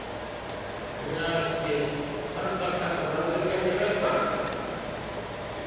「ケガして軽かったとかなんか言いたいんじゃないんですか？」。